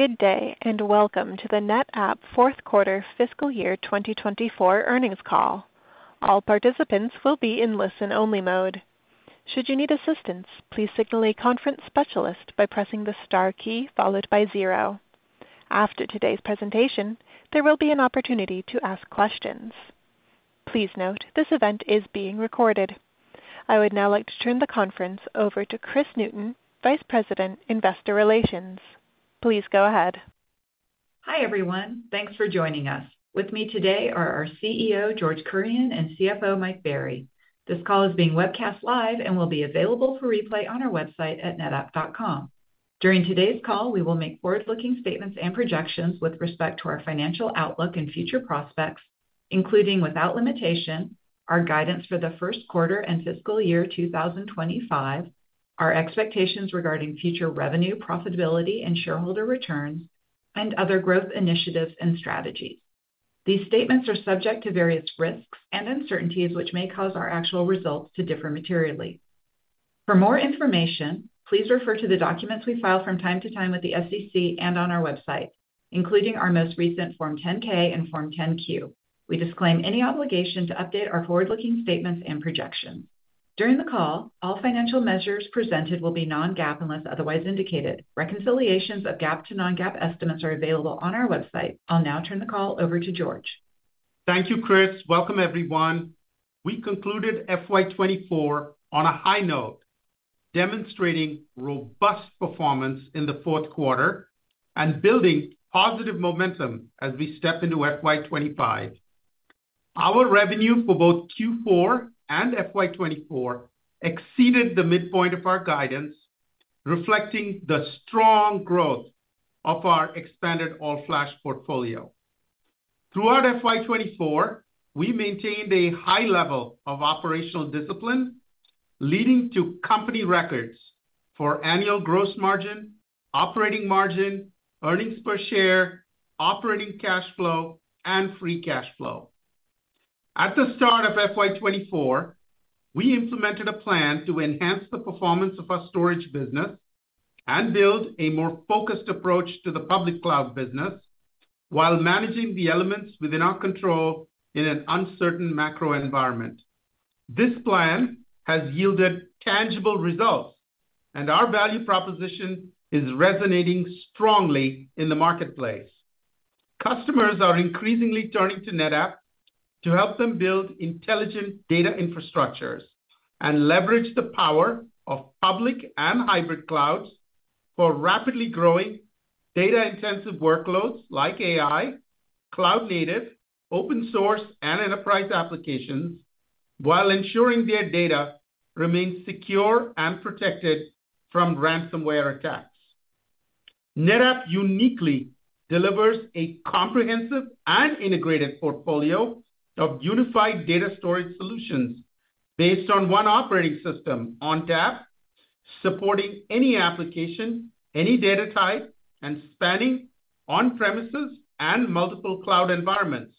Good day, and welcome to the NetApp fourth quarter fiscal year 2024 earnings call. All participants will be in listen-only mode. Should you need assistance, please signal a conference specialist by pressing the star key followed by zero. After today's presentation, there will be an opportunity to ask questions. Please note, this event is being recorded. I would now like to turn the conference over to Kris Newton, Vice President, Investor Relations. Please go ahead. Hi, everyone. Thanks for joining us. With me today are our CEO, George Kurian, and CFO, Mike Berry. This call is being webcast live and will be available for replay on our website at NetApp.com. During today's call, we will make forward-looking statements and projections with respect to our financial outlook and future prospects, including without limitation, our guidance for the first quarter and fiscal year 2025, our expectations regarding future revenue, profitability, and shareholder returns, and other growth initiatives and strategies. These statements are subject to various risks and uncertainties, which may cause our actual results to differ materially. For more information, please refer to the documents we file from time to time with the SEC and on our website, including our most recent Form 10-K and Form 10-Q. We disclaim any obligation to update our forward-looking statements and projections. During the call, all financial measures presented will be non-GAAP unless otherwise indicated. Reconciliations of GAAP to non-GAAP estimates are available on our website. I'll now turn the call over to George. Thank you, Kris. Welcome, everyone. We concluded FY 2024 on a high note, demonstrating robust performance in the fourth quarter and building positive momentum as we step into FY 2025. Our revenue for both Q4 and FY 2024 exceeded the midpoint of our guidance, reflecting the strong growth of our expanded all-flash portfolio. Throughout FY 2024, we maintained a high level of operational discipline, leading to company records for annual gross margin, operating margin, earnings per share, operating cash flow, and free cash flow. At the start of FY 2024, we implemented a plan to enhance the performance of our storage business and build a more focused approach to the public cloud business while managing the elements within our control in an uncertain macro environment. This plan has yielded tangible results, and our value proposition is resonating strongly in the marketplace. Customers are increasingly turning to NetApp to help them build intelligent data infrastructures and leverage the power of public and hybrid clouds for rapidly growing data-intensive workloads like AI, cloud-native, open source, and enterprise applications, while ensuring their data remains secure and protected from ransomware attacks. NetApp uniquely delivers a comprehensive and integrated portfolio of unified data storage solutions based on one operating system, ONTAP, supporting any application, any data type, and spanning on-premises and multiple cloud environments.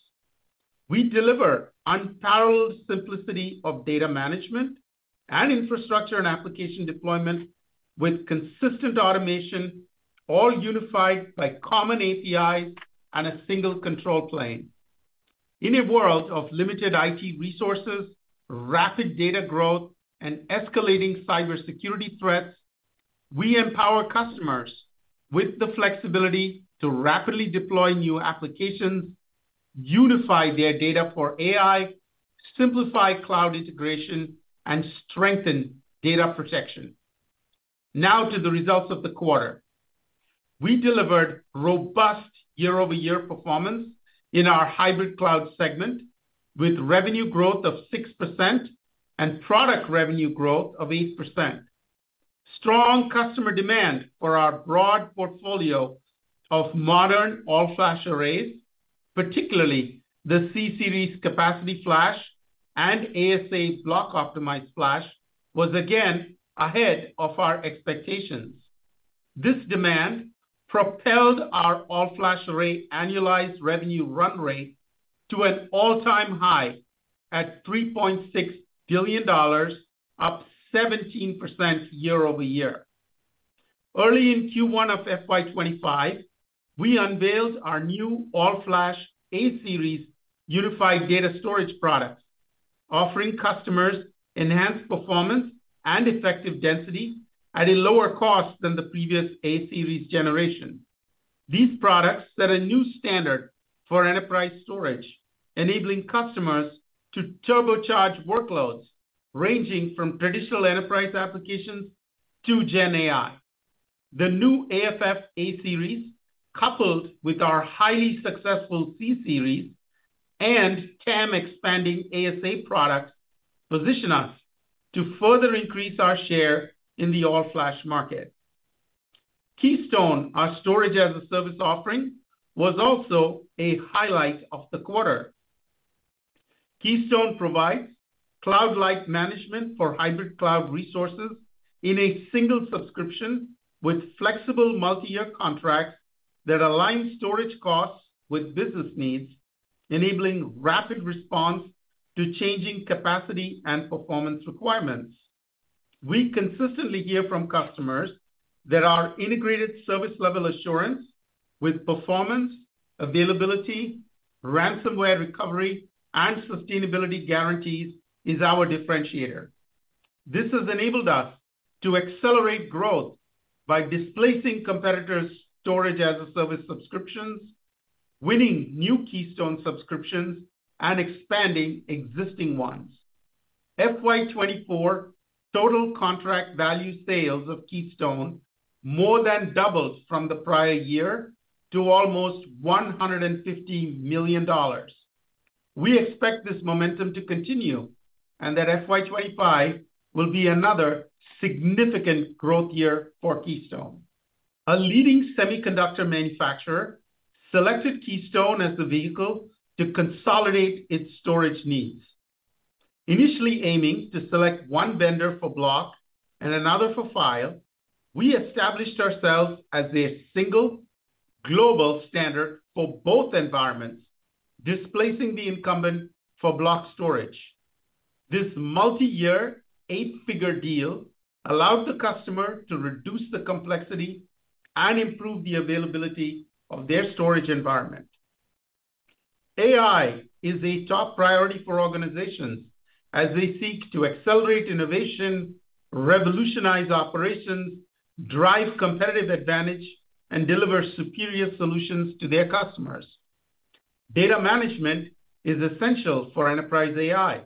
We deliver unparalleled simplicity of data management and infrastructure and application deployment with consistent automation, all unified by common APIs and a single control plane. In a world of limited IT resources, rapid data growth, and escalating cybersecurity threats, we empower customers with the flexibility to rapidly deploy new applications, unify their data for AI, simplify cloud integration, and strengthen data protection. Now to the results of the quarter. We delivered robust year-over-year performance in our hybrid cloud segment, with revenue growth of 6% and product revenue growth of 8%. Strong customer demand for our broad portfolio of modern all-flash arrays, particularly the C-Series Capacity Flash and ASA Block Optimized Flash, was again ahead of our expectations. This demand propelled our all-flash array annualized revenue run rate to an all-time high at $3.6 billion, up 17% year-over-year. Early in Q1 of FY 2025, we unveiled our new all-flash A-Series unified data storage products, offering customers enhanced performance and effective density at a lower cost than the previous A-Series generation. These products set a new standard for enterprise storage, enabling customers to turbocharge workloads ranging from traditional enterprise applications to Gen AI. The new AFF A-Series, coupled with our highly successful AFF C-Series and TAM-expanding ASA products, position us to further increase our share in the all-flash market. Keystone, our storage-as-a-service offering, was also a highlight of the quarter. Keystone provides cloud-like management for hybrid cloud resources in a single subscription with flexible multi-year contracts that align storage costs with business needs, enabling rapid response to changing capacity and performance requirements. We consistently hear from customers that our integrated service level assurance with performance, availability, ransomware recovery, and sustainability guarantees is our differentiator. This has enabled us to accelerate growth by displacing competitors' storage-as-a-service subscriptions, winning new Keystone subscriptions, and expanding existing ones. FY 2024 total contract value sales of Keystone more than doubled from the prior year to almost $150 million. We expect this momentum to continue, and that FY 2025 will be another significant growth year for Keystone. A leading semiconductor manufacturer selected Keystone as the vehicle to consolidate its storage needs. Initially aiming to select one vendor for block and another for file, we established ourselves as a single global standard for both environments, displacing the incumbent for block storage. This multi-year, eight-figure deal allowed the customer to reduce the complexity and improve the availability of their storage environment. AI is a top priority for organizations as they seek to accelerate innovation, revolutionize operations, drive competitive advantage, and deliver superior solutions to their customers. Data management is essential for enterprise AI.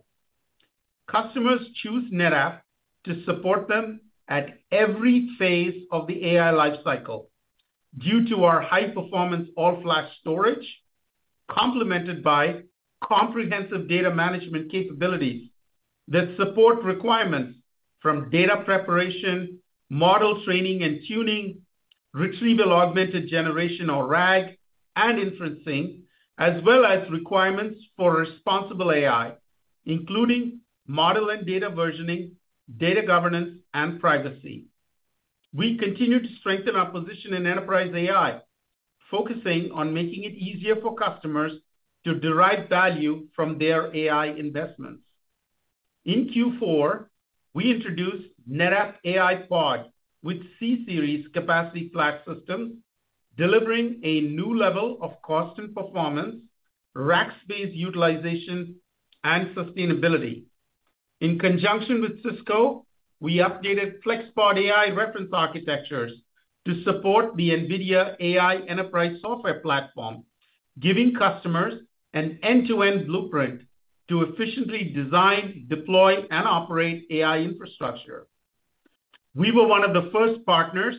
Customers choose NetApp to support them at every phase of the AI life cycle due to our high-performance all-flash storage, complemented by comprehensive data management capabilities that support requirements from data preparation, model training and tuning, retrieval-augmented generation, or RAG, and inferencing, as well as requirements for responsible AI, including model and data versioning, data governance, and privacy. We continue to strengthen our position in enterprise AI, focusing on making it easier for customers to derive value from their AI investments. In Q4, we introduced NetApp AIPod with C-Series capacity flash systems, delivering a new level of cost and performance, rack space utilization, and sustainability. In conjunction with Cisco, we updated FlexPod AI reference architectures to support the NVIDIA AI Enterprise Software Platform, giving customers an end-to-end blueprint to efficiently design, deploy, and operate AI infrastructure. We were one of the first partners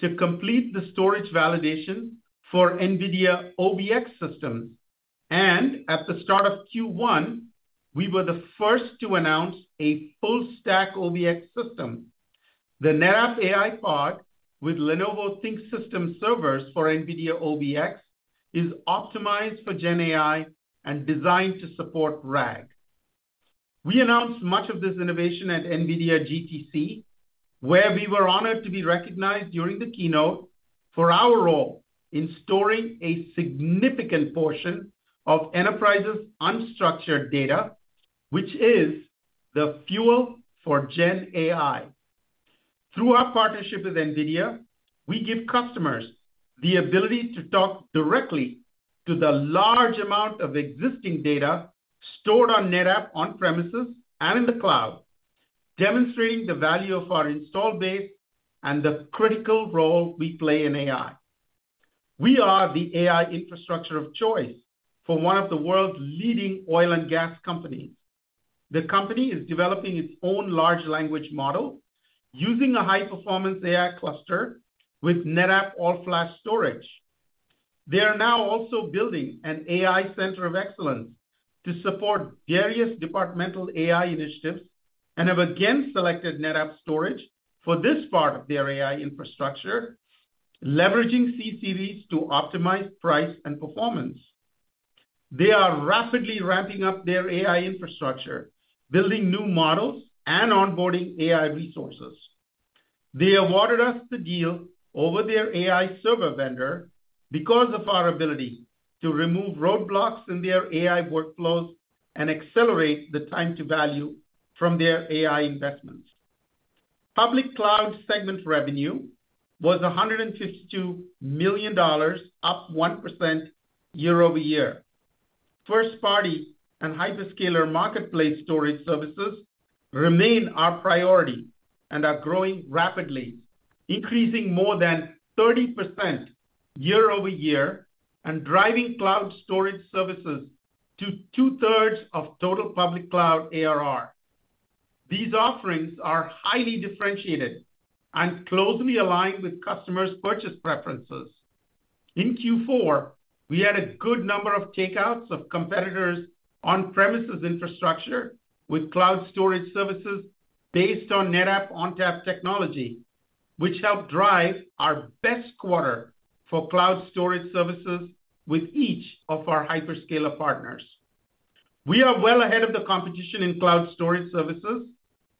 to complete the storage validation for NVIDIA OVX systems, and at the start of Q1, we were the first to announce a full stack OVX system. The NetApp AI Pod with Lenovo ThinkSystem Servers for NVIDIA OVX is optimized for Gen AI and designed to support RAG. We announced much of this innovation at NVIDIA GTC, where we were honored to be recognized during the keynote for our role in storing a significant portion of enterprises' unstructured data, which is the fuel for Gen AI. Through our partnership with NVIDIA, we give customers the ability to talk directly to the large amount of existing data stored on NetApp on-premises and in the cloud, demonstrating the value of our installed base and the critical role we play in AI. We are the AI infrastructure of choice for one of the world's leading oil and gas companies. The company is developing its own large language model using a high-performance AI cluster with NetApp all-flash storage. They are now also building an AI center of excellence to support various departmental AI initiatives and have again selected NetApp storage for this part of their AI infrastructure, leveraging C-Series to optimize price and performance. They are rapidly ramping up their AI infrastructure, building new models, and onboarding AI resources. They awarded us the deal over their AI server vendor because of our ability to remove roadblocks in their AI workflows and accelerate the time to value from their AI investments. Public cloud segment revenue was $152 million, up 1% year-over-year. First party and hyperscaler marketplace storage services remain our priority and are growing rapidly, increasing more than 30% year-over-year and driving cloud storage services to two-thirds of total public cloud ARR. These offerings are highly differentiated and closely aligned with customers' purchase preferences. In Q4, we had a good number of takeouts of competitors' on-premises infrastructure with cloud storage services based on NetApp ONTAP technology, which helped drive our best quarter for cloud storage services with each of our hyperscaler partners. We are well ahead of the competition in cloud storage services,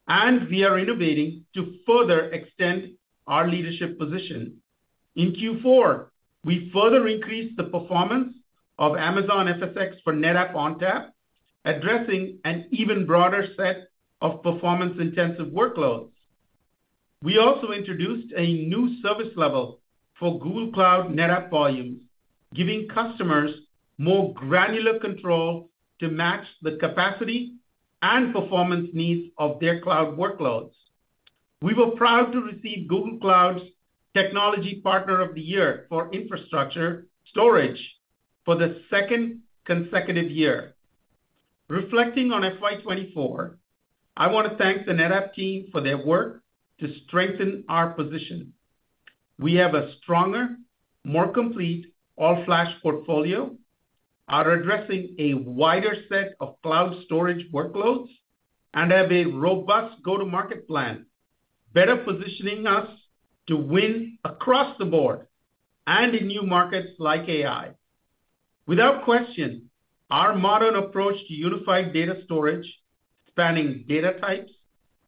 and we are innovating to further extend our leadership position. In Q4, we further increased the performance of Amazon FSx for NetApp ONTAP, addressing an even broader set of performance-intensive workloads. We also introduced a new service level for Google Cloud NetApp Volumes, giving customers more granular control to match the capacity and performance needs of their cloud workloads. We were proud to receive Google Cloud's Technology Partner of the Year for Infrastructure Storage for the second consecutive year. Reflecting on FY 2024, I want to thank the NetApp team for their work to strengthen our position. We have a stronger, more complete all-flash portfolio, are addressing a wider set of cloud storage workloads, and have a robust go-to-market plan, better positioning us to win across the board and in new markets like AI. Without question, our modern approach to unified data storage, spanning data types,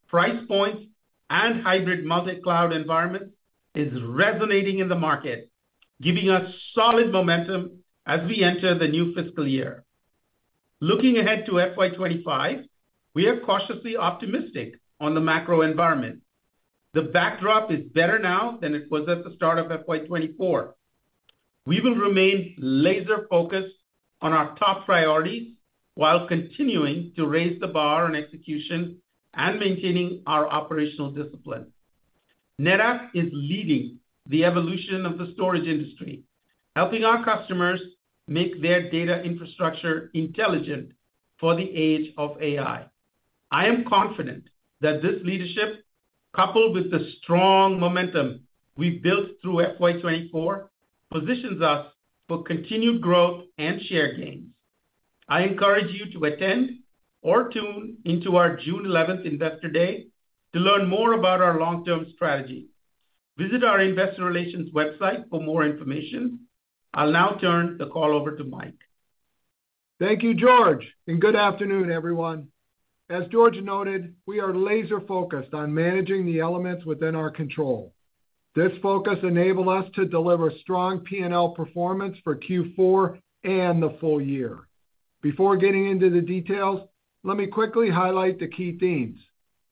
price points, and hybrid multi-cloud environment, is resonating in the market, giving us solid momentum as we enter the new fiscal year. Looking ahead to FY 2025, we are cautiously optimistic on the macro environment. The backdrop is better now than it was at the start of FY 2024. We will remain laser-focused on our top priorities, while continuing to raise the bar on execution and maintaining our operational discipline. NetApp is leading the evolution of the storage industry, helping our customers make their data infrastructure intelligent for the age of AI. I am confident that this leadership, coupled with the strong momentum we've built through FY 2024, positions us for continued growth and share gains. I encourage you to attend or tune into our June 11th Investor Day to learn more about our long-term strategy. Visit our investor relations website for more information. I'll now turn the call over to Mike. Thank you, George, and good afternoon, everyone. As George noted, we are laser-focused on managing the elements within our control. This focus enabled us to deliver strong P&L performance for Q4 and the full year. Before getting into the details, let me quickly highlight the key themes.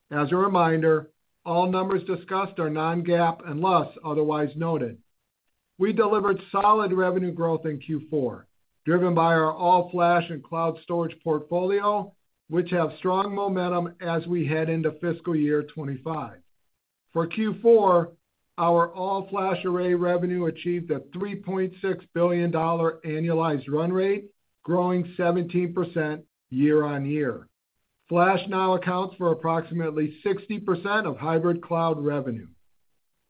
As a reminder, all numbers discussed are non-GAAP unless otherwise noted. We delivered solid revenue growth in Q4, driven by our all-flash and cloud storage portfolio, which have strong momentum as we head into fiscal year 25. For Q4, our all-flash array revenue achieved a $3.6 billion annualized run rate, growing 17% year-on-year. Flash now accounts for approximately 60% of hybrid cloud revenue.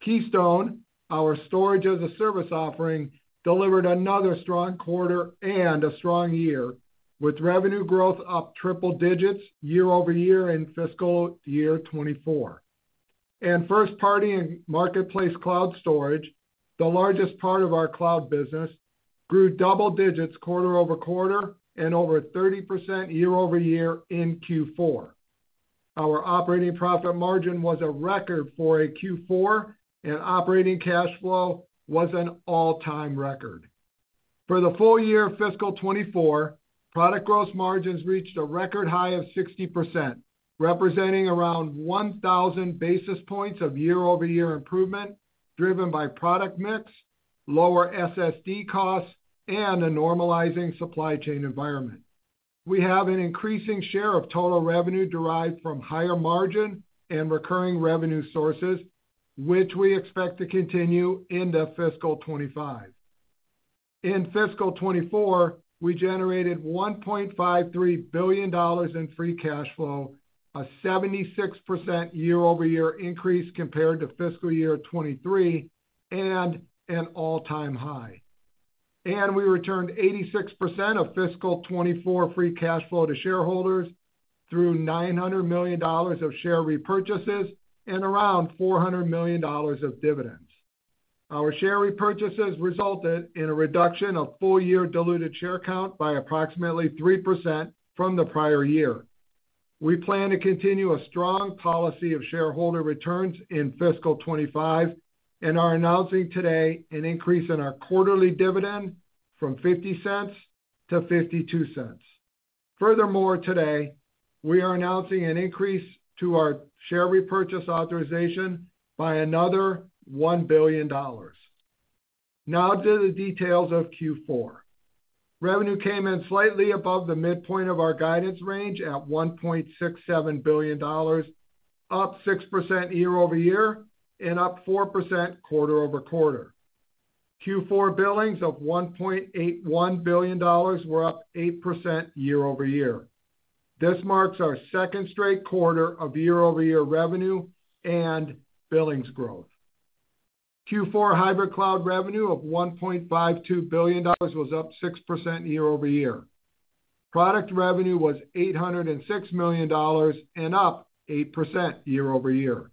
Keystone, our storage-as-a-service offering, delivered another strong quarter and a strong year, with revenue growth up triple digits year-over-year in fiscal year 24. First party and marketplace cloud storage, the largest part of our cloud business, grew double digits quarter-over-quarter and over 30% year-over-year in Q4. Our operating profit margin was a record for a Q4, and operating cash flow was an all-time record. For the full year fiscal 2024, product gross margins reached a record high of 60%, representing around 1,000 basis points of year-over-year improvement, driven by product mix, lower SSD costs, and a normalizing supply chain environment. We have an increasing share of total revenue derived from higher margin and recurring revenue sources, which we expect to continue into fiscal 2025. In fiscal 2024, we generated $1.53 billion in free cash flow, a 76% year-over-year increase compared to fiscal year 2023, and an all-time high. We returned 86% of fiscal 2024 free cash flow to shareholders through $900 million of share repurchases and around $400 million of dividends. Our share repurchases resulted in a reduction of full-year diluted share count by approximately 3% from the prior year. We plan to continue a strong policy of shareholder returns in fiscal 2025 and are announcing today an increase in our quarterly dividend from $0.50 to $0.52. Furthermore, today, we are announcing an increase to our share repurchase authorization by another $1 billion. Now to the details of Q4. Revenue came in slightly above the midpoint of our guidance range at $1.67 billion, up 6% year-over-year and up 4% quarter-over-quarter. Q4 billings of $1.81 billion were up 8% year-over-year. This marks our second straight quarter of year-over-year revenue and billings growth. Q4 hybrid cloud revenue of $1.52 billion was up 6% year-over-year. Product revenue was $806 million and up 8% year-over-year.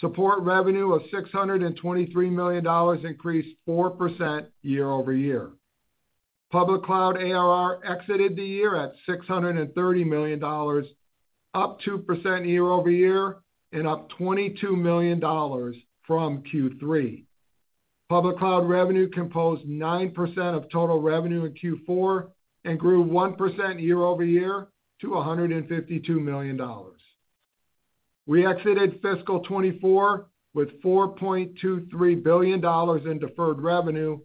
Support revenue of $623 million increased 4% year-over-year. Public cloud ARR exited the year at $630 million, up 2% year-over-year, and up $22 million from Q3. Public cloud revenue composed 9% of total revenue in Q4 and grew 1% year-over-year to $152 million. We exited fiscal 2024 with $4.23 billion in deferred revenue,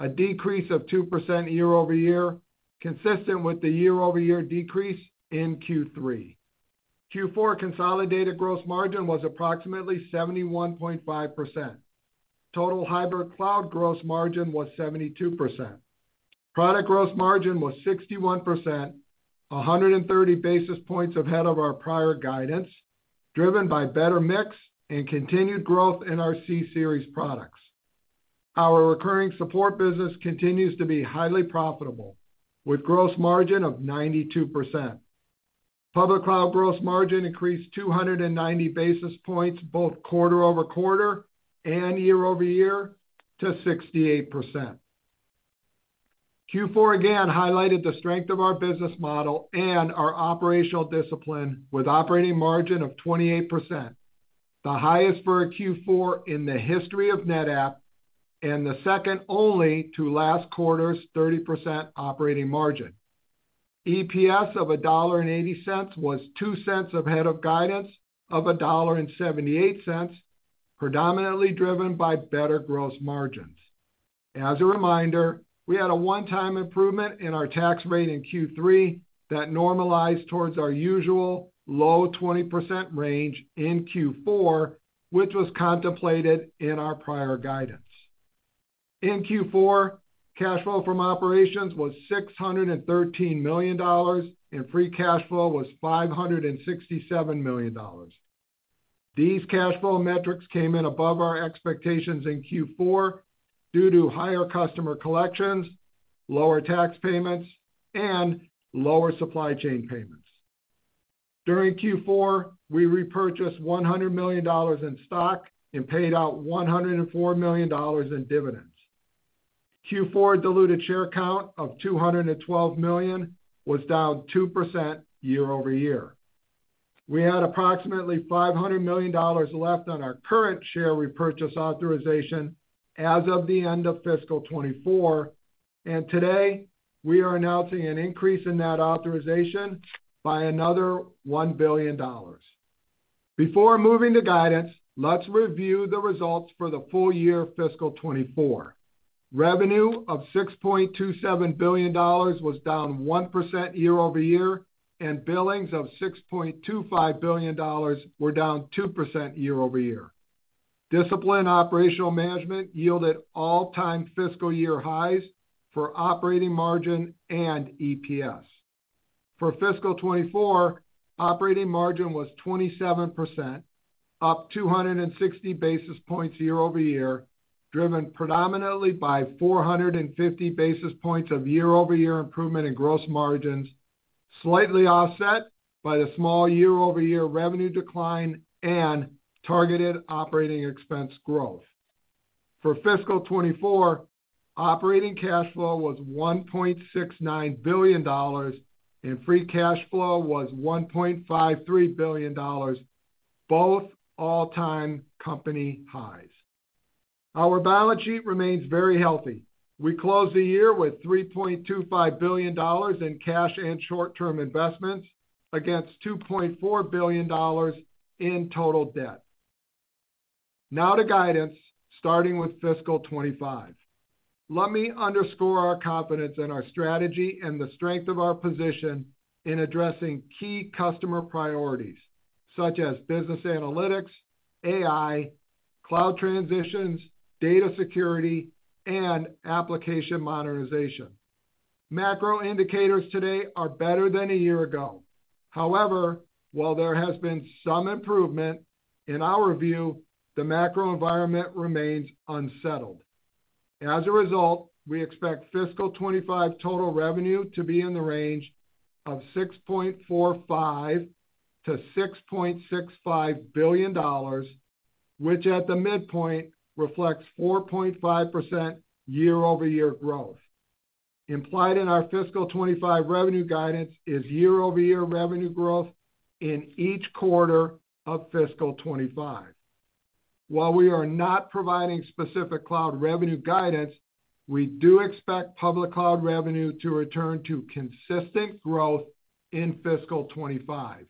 a decrease of 2% year-over-year, consistent with the year-over-year decrease in Q3. Q4 consolidated gross margin was approximately 71.5%. Total hybrid cloud gross margin was 72%. Product gross margin was 61%, 130 basis points ahead of our prior guidance, driven by better mix and continued growth in our C-Series products. Our recurring support business continues to be highly profitable, with gross margin of 92%. Public cloud gross margin increased 290 basis points, both quarter-over-quarter and year-over-year, to 68%. Q4, again, highlighted the strength of our business model and our operational discipline with operating margin of 28%, the highest for a Q4 in the history of NetApp, and the second only to last quarter's 30% operating margin. EPS of $1.80 was $0.02 ahead of guidance of $1.78, predominantly driven by better gross margins. As a reminder, we had a one-time improvement in our tax rate in Q3 that normalized towards our usual low 20% range in Q4, which was contemplated in our prior guidance. In Q4, cash flow from operations was $613 million, and free cash flow was $567 million. These cash flow metrics came in above our expectations in Q4 due to higher customer collections, lower tax payments, and lower supply chain payments. During Q4, we repurchased $100 million in stock and paid out $104 million in dividends. Q4 diluted share count of 212 million was down 2% year-over-year. We had approximately $500 million left on our current share repurchase authorization as of the end of fiscal 2024, and today, we are announcing an increase in that authorization by another $1 billion. Before moving to guidance, let's review the results for the full year fiscal 2024. Revenue of $6.27 billion was down 1% year-over-year, and billings of $6.25 billion were down 2% year-over-year. Disciplined operational management yielded all-time fiscal year highs for operating margin and EPS. For fiscal 2024, operating margin was 27%, up 260 basis points year-over-year, driven predominantly by 450 basis points of year-over-year improvement in gross margins, slightly offset by the small year-over-year revenue decline and targeted operating expense growth. For fiscal 2024, operating cash flow was $1.69 billion, and free cash flow was $1.53 billion, both all-time company highs. Our balance sheet remains very healthy. We closed the year with $3.25 billion in cash and short-term investments against $2.4 billion in total debt. Now to guidance, starting with fiscal 2025. Let me underscore our confidence in our strategy and the strength of our position in addressing key customer priorities, such as business analytics, AI, cloud transitions, data security, and application modernization. Macro indicators today are better than a year ago. However, while there has been some improvement, in our view, the macro environment remains unsettled. As a result, we expect fiscal 2025 total revenue to be in the range of $6.45 billion-$6.65 billion, which at the midpoint reflects 4.5% year-over-year growth. Implied in our fiscal 2025 revenue guidance is year-over-year revenue growth in each quarter of fiscal 2025. While we are not providing specific cloud revenue guidance, we do expect public cloud revenue to return to consistent growth in fiscal 2025.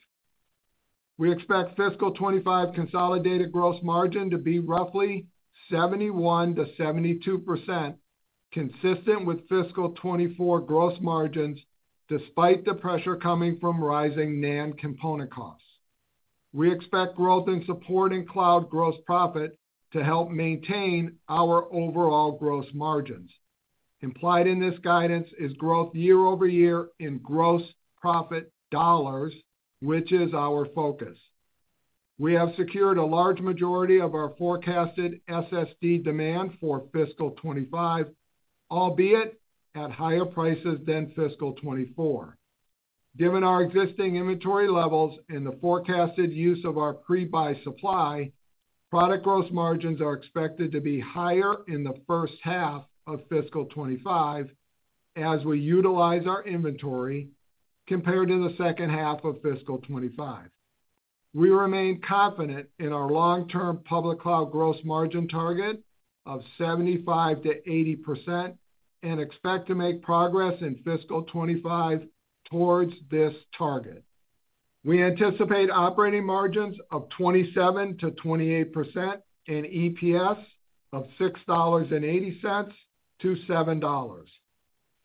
We expect fiscal 2025 consolidated gross margin to be roughly 71%-72%, consistent with fiscal 2024 gross margins, despite the pressure coming from rising NAND component costs. We expect growth in support and cloud gross profit to help maintain our overall gross margins. Implied in this guidance is year-over-year growth in gross profit dollars, which is our focus. We have secured a large majority of our forecasted SSD demand for fiscal 2025, albeit at higher prices than fiscal 2024. Given our existing inventory levels and the forecasted use of our pre-buy supply, product gross margins are expected to be higher in the first half of fiscal 2025 as we utilize our inventory compared to the second half of fiscal 2025. We remain confident in our long-term public cloud gross margin target of 75%-80% and expect to make progress in fiscal 2025 towards this target. We anticipate operating margins of 27%-28% and EPS of $6.80-$7.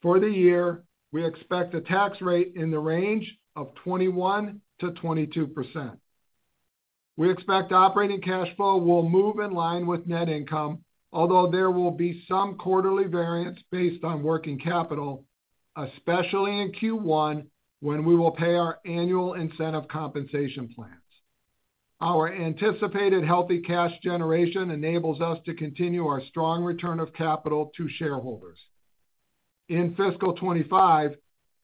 For the year, we expect a tax rate in the range of 21%-22%. We expect operating cash flow will move in line with net income, although there will be some quarterly variance based on working capital, especially in Q1, when we will pay our annual incentive compensation plans. Our anticipated healthy cash generation enables us to continue our strong return of capital to shareholders. In fiscal 2025,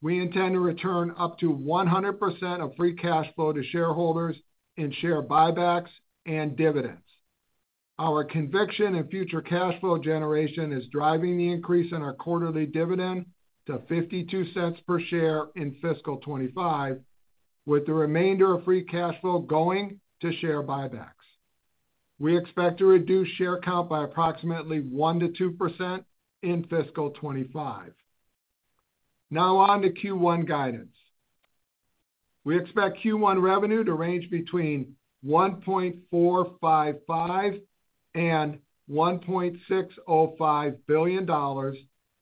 we intend to return up to 100% of free cash flow to shareholders in share buybacks and dividends. Our conviction in future cash flow generation is driving the increase in our quarterly dividend to $0.52 per share in fiscal 2025, with the remainder of free cash flow going to share buybacks. We expect to reduce share count by approximately 1%-2% in fiscal 2025. Now on to Q1 guidance. We expect Q1 revenue to range between $1.455 billion-$1.605 billion,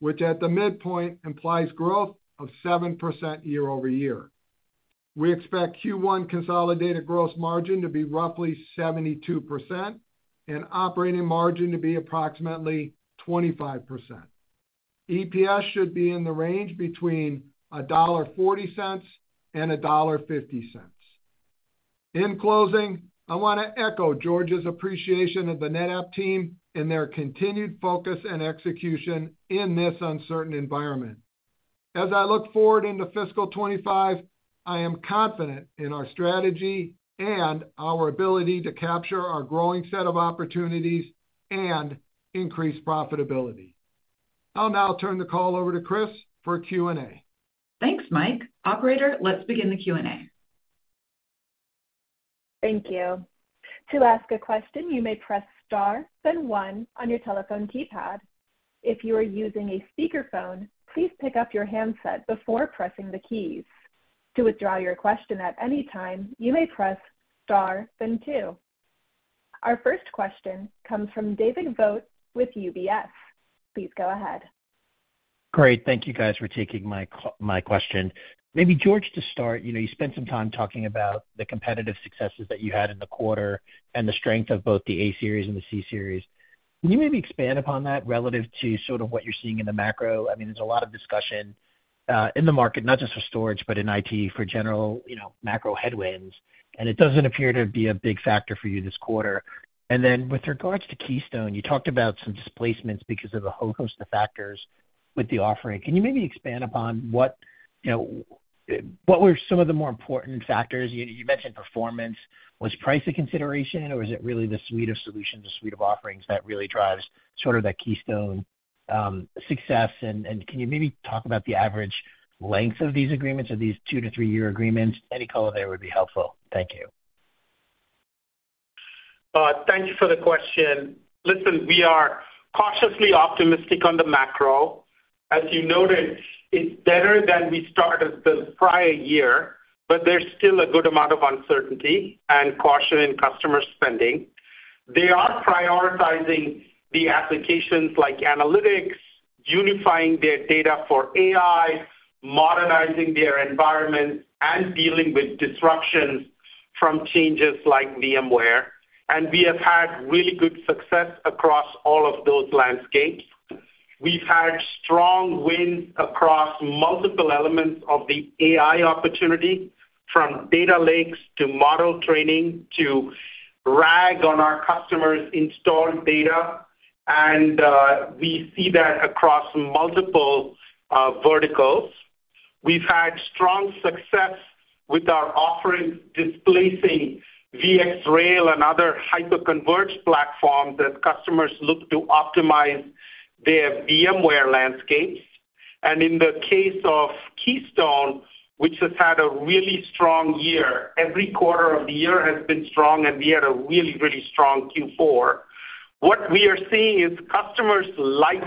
which at the midpoint implies growth of 7% year-over-year. We expect Q1 consolidated gross margin to be roughly 72% and operating margin to be approximately 25%. EPS should be in the range between $1.40 and $1.50. In closing, I want to echo George's appreciation of the NetApp team and their continued focus and execution in this uncertain environment. As I look forward into fiscal 2025, I am confident in our strategy and our ability to capture our growing set of opportunities and increase profitability. I'll now turn the call over to Kris for Q&A. Thanks, Mike. Operator, let's begin the Q&A. Thank you. To ask a question, you may press star, then one on your telephone keypad. If you are using a speakerphone, please pick up your handset before pressing the keys. To withdraw your question at any time, you may press star, then two. Our first question comes from David Vogt with UBS. Please go ahead. Great. Thank you guys for taking my question. Maybe George, to start, you know, you spent some time talking about the competitive successes that you had in the quarter and the strength of both the A-series and the C-series. Can you maybe expand upon that relative to sort of what you're seeing in the macro? I mean, there's a lot of discussion in the market, not just for storage, but in IT, for general, you know, macro headwinds, and it doesn't appear to be a big factor for you this quarter. And then with regards to Keystone, you talked about some displacements because of a whole host of factors with the offering. Can you maybe expand upon what, you know, what were some of the more important factors? You mentioned performance. Was price a consideration, or is it really the suite of solutions, the suite of offerings that really drives sort of that Keystone success? And, and can you maybe talk about the average length of these agreements, are these 2-3-year agreements? Any color there would be helpful. Thank you. Thank you for the question. Listen, we are cautiously optimistic on the macro. As you noted, it's better than we started the prior year, but there's still a good amount of uncertainty and caution in customer spending. They are prioritizing the applications like analytics, unifying their data for AI, modernizing their environment, and dealing with disruptions from changes like VMware, and we have had really good success across all of those landscapes. We've had strong wins across multiple elements of the AI opportunity, from data lakes, to model training, to RAG on our customers' installed data, and we see that across multiple verticals. We've had strong success with our offerings, displacing VxRail and other hyperconverged platforms that customers look to optimize their VMware landscapes. In the case of Keystone, which has had a really strong year, every quarter of the year has been strong, and we had a really, really strong Q4. What we are seeing is customers like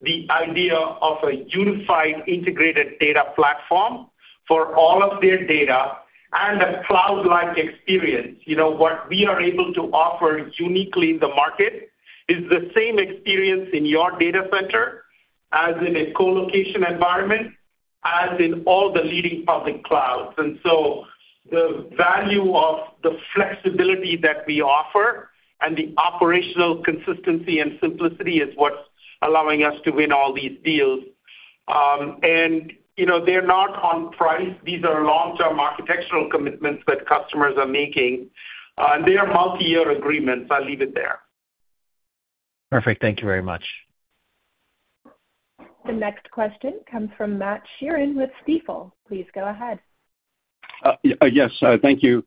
the idea of a unified, integrated data platform for all of their data and a cloud-like experience. You know, what we are able to offer uniquely in the market is the same experience in your data center as in a co-location environment, as in all the leading public clouds. And so the value of the flexibility that we offer and the operational consistency and simplicity is what's allowing us to win all these deals. You know, they're not on price. These are long-term architectural commitments that customers are making, and they are multi-year agreements. I'll leave it there. Perfect. Thank you very much. The next question comes from Matthew Sheerin with Stifel. Please go ahead. Yes, thank you.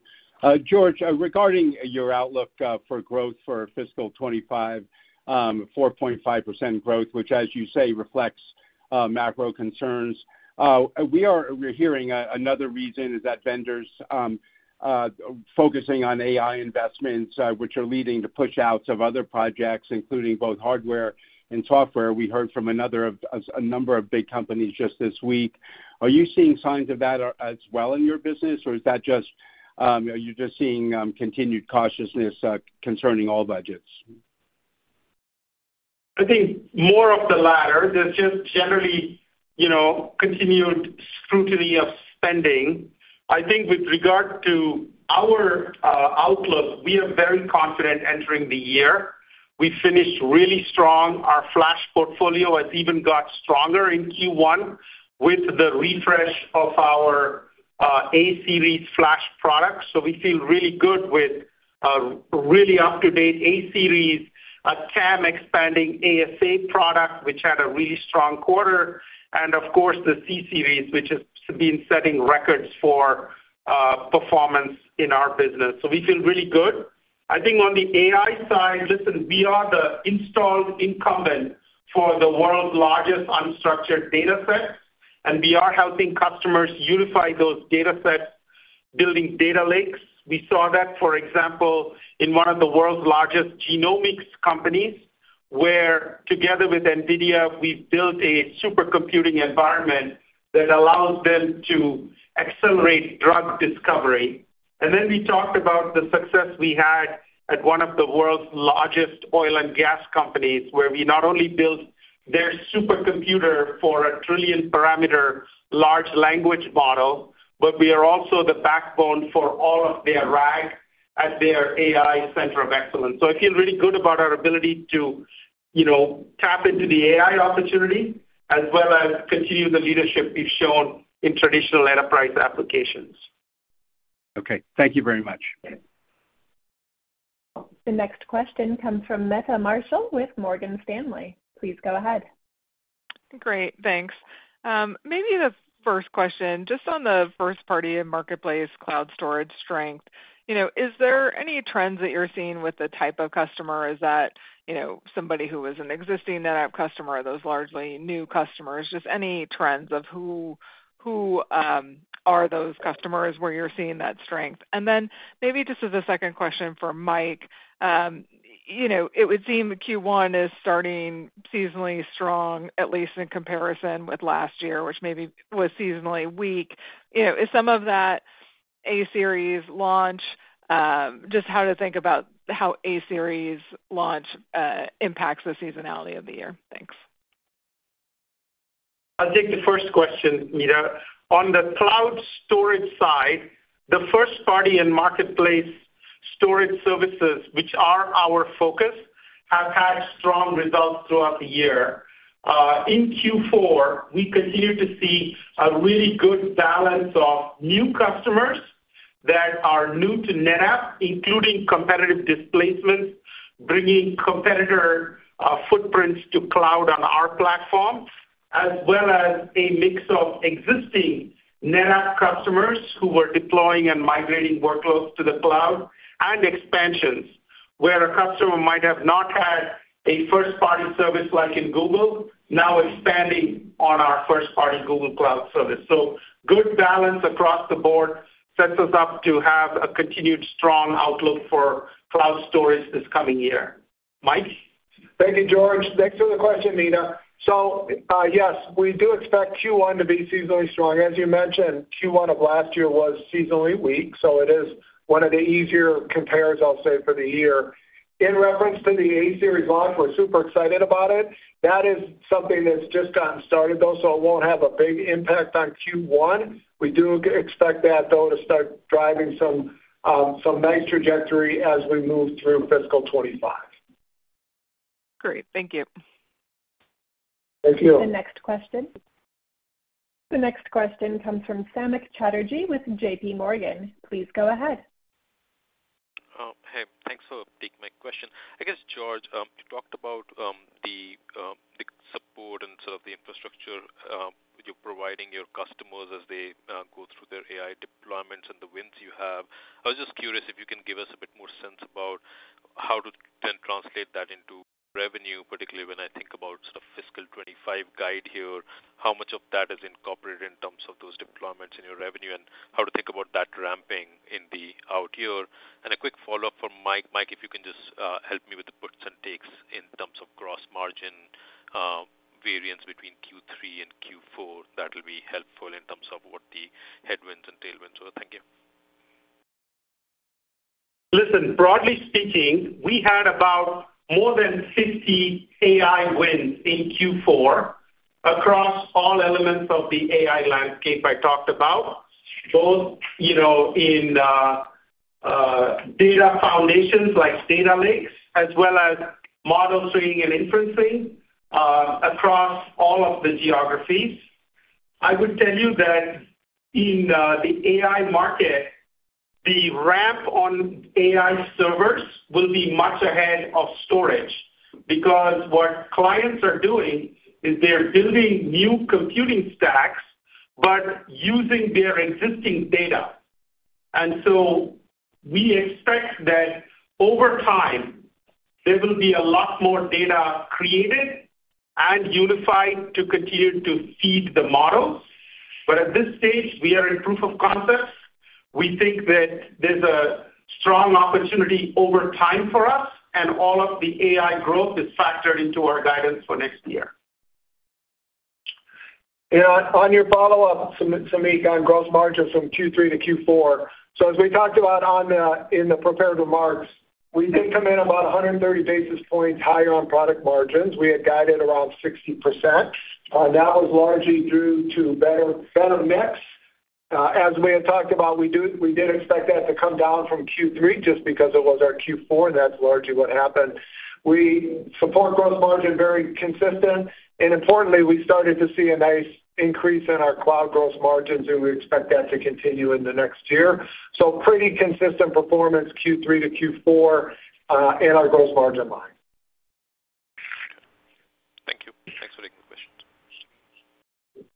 George, regarding your outlook for growth for fiscal 25, 4.5% growth, which, as you say, reflects macro concerns. We're hearing another reason is that vendors focusing on AI investments, which are leading to push-outs of other projects, including both hardware and software. We heard from a number of big companies just this week. Are you seeing signs of that as well in your business, or is that just are you just seeing continued cautiousness concerning all budgets? I think more of the latter. There's just generally, you know, continued scrutiny of spending. I think with regard to our outlook, we are very confident entering the year. We finished really strong. Our Flash portfolio has even got stronger in Q1 with the refresh of our A-Series Flash products. So we feel really good with a really up-to-date A-Series, a TAM expanding ASA product, which had a really strong quarter, and of course, the C-Series, which has been setting records for performance in our business. So we feel really good. I think on the AI side, listen, we are the installed incumbent for the world's largest unstructured data set, and we are helping customers unify those data sets, building data lakes. We saw that, for example, in one of the world's largest genomics companies, where together with NVIDIA, we built a supercomputing environment that allows them to accelerate drug discovery. And then we talked about the success we had at one of the world's largest oil and gas companies, where we not only built their supercomputer for a 1-trillion-parameter large language model, but we are also the backbone for all of their RAG at their AI center of excellence. So I feel really good about our ability to, you know, tap into the AI opportunity, as well as continue the leadership we've shown in traditional enterprise applications. Okay, thank you very much. Okay. The next question comes from Meta Marshall with Morgan Stanley. Please go ahead. Great, thanks. Maybe the first question, just on the first party and marketplace cloud storage strength, you know, is there any trends that you're seeing with the type of customer? Is that, you know, somebody who is an existing NetApp customer, are those largely new customers? Just any trends of who, are those customers where you're seeing that strength? And then maybe just as a second question for Mike, you know, it would seem Q1 is starting seasonally strong, at least in comparison with last year, which maybe was seasonally weak. You know, is some of that A-Series launch, just how to think about how A-Series launch impacts the seasonality of the year? Thanks. I'll take the first question, Meta. On the cloud storage side, the first party in marketplace storage services, which are our focus, have had strong results throughout the year. In Q4, we continued to see a really good balance of new customers that are new to NetApp, including competitive displacement, bringing competitor footprints to cloud on our platform, as well as a mix of existing NetApp customers who were deploying and migrating workloads to the cloud, and expansions, where a customer might have not had a first-party service like in Google, now expanding on our first-party Google Cloud service. So good balance across the board sets us up to have a continued strong outlook for cloud storage this coming year. Mike? Thank you, George. Thanks for the question, Meta. So, yes, we do expect Q1 to be seasonally strong. As you mentioned, Q1 of last year was seasonally weak, so it is one of the easier compares, I'll say, for the year. In reference to the A-Series launch, we're super excited about it. That is something that's just gotten started, though, so it won't have a big impact on Q1. We do expect that, though, to start driving some some nice trajectory as we move through fiscal 2025. Great. Thank you. Thank you. The next question. The next question comes from Samik Chatterjee with J.P. Morgan. Please go ahead. Hey, thanks for taking my question. I guess, George, you talked about the support and sort of the infrastructure you're providing your customers as they go through their AI deployments and the wins you have. I was just curious if you can give us a bit more sense about how to then translate that into revenue, particularly when I think about sort of fiscal 25 guide here, how much of that is incorporated in terms of those deployments in your revenue, and how to think about that ramping in the out year? And a quick follow-up from Mike. Mike, if you can just help me with the puts and takes in terms of gross margin variance between Q3 and Q4, that will be helpful in terms of what the headwinds and tailwinds are. Thank you. Listen, broadly speaking, we had about more than 50 AI wins in Q4 across all elements of the AI landscape I talked about, both, you know, in data foundations like data lakes, as well as model training and inferencing, across all of the geographies. I would tell you that in the AI market, the ramp on AI servers will be much ahead of storage, because what clients are doing is they're building new computing stacks but using their existing data. And so we expect that over time, there will be a lot more data created and unified to continue to feed the models. But at this stage, we are in proof of concept. We think that there's a strong opportunity over time for us, and all of the AI growth is factored into our guidance for next year. Yeah, on your follow-up, Samik, on gross margins from Q3 to Q4. So as we talked about in the prepared remarks, we did come in about 130 basis points higher on product margins. We had guided around 60%. That was largely due to better, better mix. As we had talked about, we did expect that to come down from Q3 just because it was our Q4, and that's largely what happened. We support gross margin very consistent, and importantly, we started to see a nice increase in our cloud gross margins, and we expect that to continue in the next year. So pretty consistent performance Q3 to Q4 in our gross margin line. Thank you. Thanks for taking the question.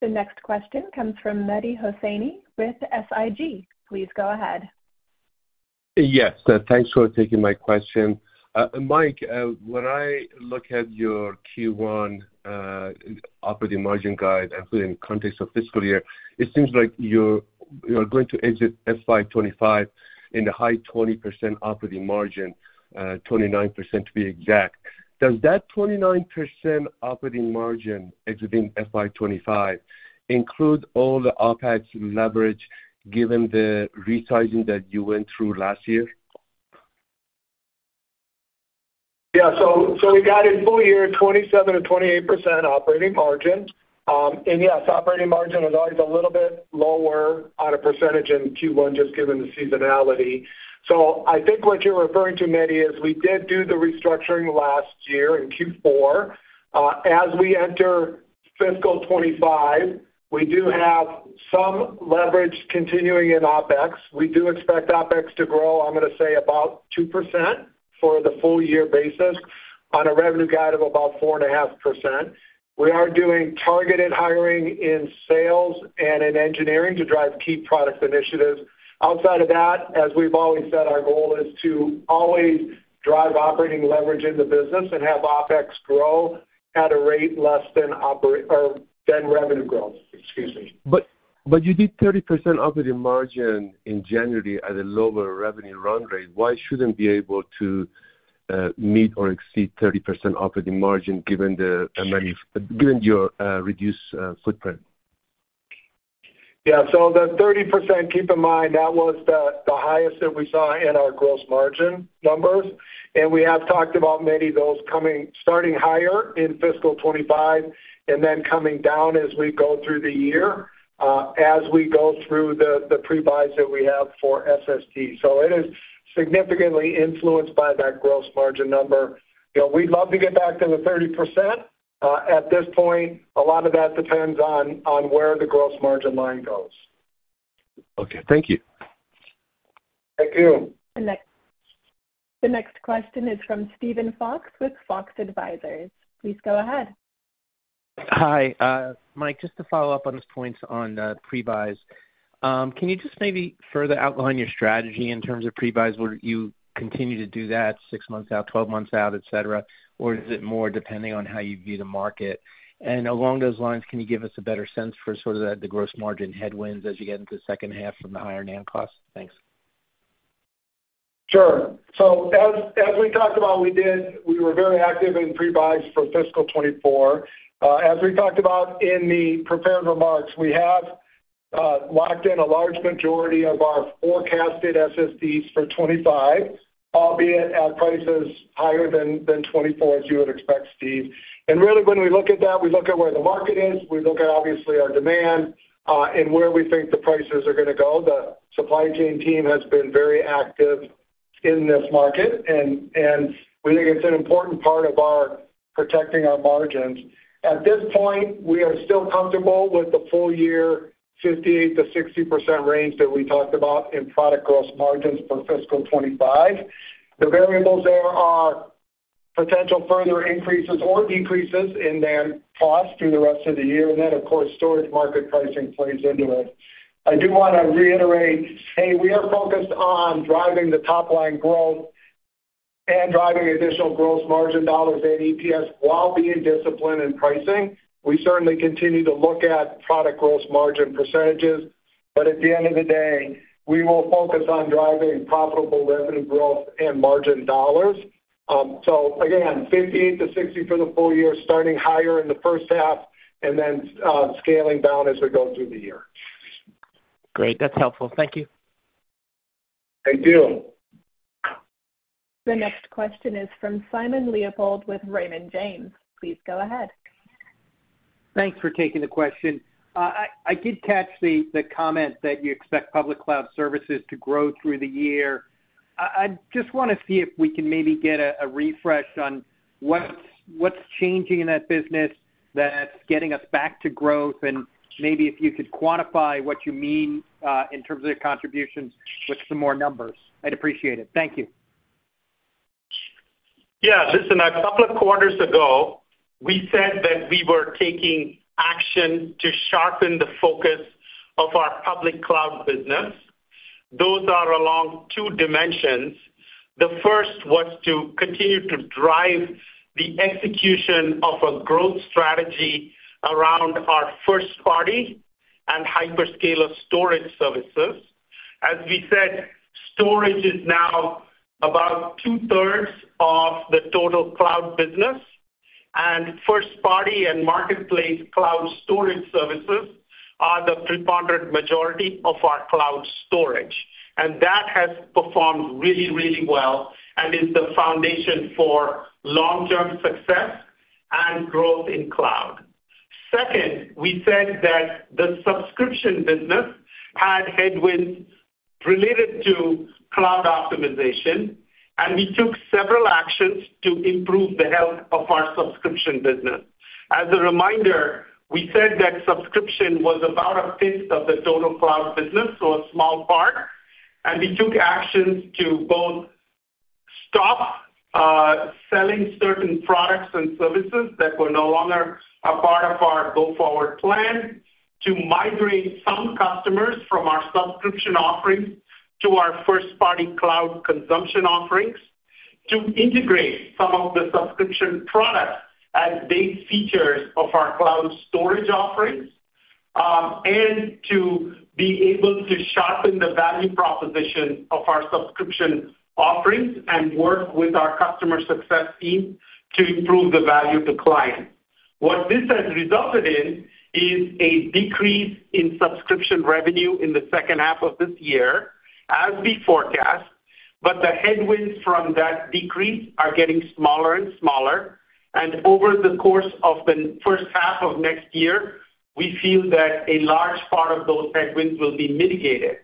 The next question comes from Mehdi Hosseini with SIG. Please go ahead. Yes, thanks for taking my question. Mike, when I look at your Q1 operating margin guide and put it in context of fiscal year, it seems like you're, you're going to exit FY 2025 in the high 20% operating margin, 29% to be exact. Does that 29% operating margin exiting FY 2025 include all the OpEx leverage, given the resizing that you went through last year? Yeah, so, we got in full year 27%-28% operating margin. And yes, operating margin is always a little bit lower on a percentage in Q1, just given the seasonality. So I think what you're referring to, Mehdi, is we did do the restructuring last year in Q4. As we enter fiscal 2025, we do have some leverage continuing in OpEx. We do expect OpEx to grow. I'm gonna say about 2% for the full year basis on a revenue guide of about 4.5%. We are doing targeted hiring in sales and in engineering to drive key product initiatives. Outside of that, as we've always said, our goal is to always drive operating leverage in the business and have OpEx grow at a rate less than opera-- or than revenue growth, excuse me. But you did 30% operating margin in January at a lower revenue run rate. Why shouldn't be able to meet or exceed 30% operating margin, given your reduced footprint? Yeah, so the 30%, keep in mind, that was the highest that we saw in our gross margin numbers, and we have talked about many of those coming, starting higher in fiscal 2025 and then coming down as we go through the year, as we go through the pre-buys that we have for SSD. So it is significantly influenced by that gross margin number. You know, we'd love to get back to the 30%. At this point, a lot of that depends on where the gross margin line goes. Okay. Thank you. Thank you. The next, the next question is from Steven Fox with Fox Advisors. Please go ahead. Hi. Mike, just to follow up on his points on pre-buys. Can you just maybe further outline your strategy in terms of pre-buys, would you continue to do that 6 months out, 12 months out, et cetera, or is it more depending on how you view the market? And along those lines, can you give us a better sense for sort of the, the gross margin headwinds as you get into the second half from the higher NAND costs? Thanks. Sure. So as we talked about, we were very active in pre-buys for fiscal 2024. As we talked about in the prepared remarks, we have locked in a large majority of our forecasted SSDs for 2025, albeit at prices higher than twenty-four, as you would expect, Steve. And really, when we look at that, we look at where the market is, we look at obviously our demand, and where we think the prices are gonna go. The supply chain team has been very active in this market, and we think it's an important part of our protecting our margins. At this point, we are still comfortable with the full year 58%-60% range that we talked about in product gross margins for fiscal 2025. The variables there are potential further increases or decreases in NAND costs through the rest of the year, and then, of course, storage market pricing plays into it. I do want to reiterate, hey, we are focused on driving the top line growth and driving additional gross margin dollars and EPS while being disciplined in pricing. We certainly continue to look at product gross margin percentages, but at the end of the day, we will focus on driving profitable revenue growth and margin dollars. So again, 58%-60% for the full year, starting higher in the first half and then scaling down as we go through the year. Great. That's helpful. Thank you. Thank you. The next question is from Simon Leopold with Raymond James. Please go ahead. Thanks for taking the question. I did catch the comment that you expect public cloud services to grow through the year. I just want to see if we can maybe get a refresh on what's changing in that business that's getting us back to growth, and maybe if you could quantify what you mean in terms of the contributions with some more numbers, I'd appreciate it. Thank you. Yeah, listen, a couple of quarters ago, we said that we were taking action to sharpen the focus of our public cloud business. Those are along two dimensions. The first was to continue to drive the execution of a growth strategy around our first party and hyperscaler storage services. As we said, storage is now about two-thirds of the total cloud business, and first party and marketplace cloud storage services are the preponderant majority of our cloud storage. And that has performed really, really well and is the foundation for long-term success and growth in cloud. Second, we said that the subscription business had headwinds related to cloud optimization, and we took several actions to improve the health of our subscription business. As a reminder, we said that subscription was about a fifth of the total cloud business, so a small part. We took actions to both stop selling certain products and services that were no longer a part of our go-forward plan, to migrate some customers from our subscription offerings to our first-party cloud consumption offerings, to integrate some of the subscription products as base features of our cloud storage offerings, and to be able to sharpen the value proposition of our subscription offerings and work with our customer success team to improve the value to client. What this has resulted in is a decrease in subscription revenue in the second half of this year, as we forecast, but the headwinds from that decrease are getting smaller and smaller, and over the course of the first half of next year, we feel that a large part of those headwinds will be mitigated.